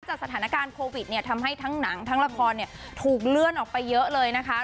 สถานการณ์โควิดเนี่ยทำให้ทั้งหนังทั้งละครถูกเลื่อนออกไปเยอะเลยนะคะ